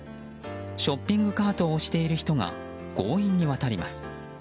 ショッピングカートを押している人が強引に渡ります。